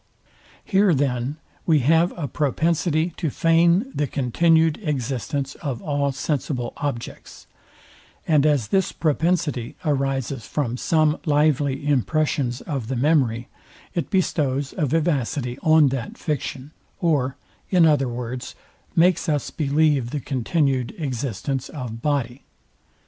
Here then we have a propensity to feign the continued existence of all sensible objects; and as this propensity arises from some lively impressions of the memory, it bestows a vivacity on that fiction: or in other words, makes us believe the continued existence of body.